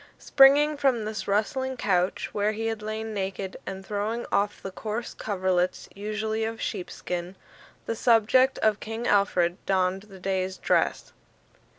Springing from this rustling couch, where he had lain naked, and throwing off the coarse coverlets, usually of sheepskin, the subject of King Alfred donned the day's dress.